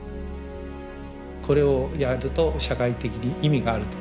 これをやると社会的に意味があると。